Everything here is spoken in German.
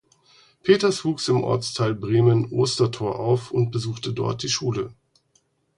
Peters wuchs im Ortsteil Bremen Ostertor auf und besuchte dort die Schule.